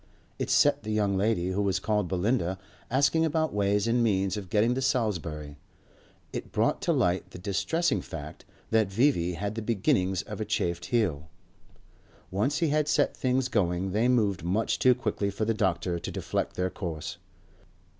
It set the young lady who was called Belinda asking about ways and means of getting to Salisbury; it brought to light the distressing fact that V.V. had the beginnings of a chafed heel. Once he had set things going they moved much too quickly for the doctor to deflect their course.